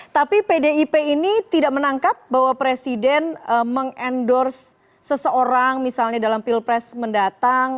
tapi pdip ini tidak menangkap bahwa presiden mengendorse seseorang misalnya dalam pilpres mendatang